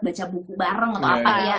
baca buku bareng atau apa ya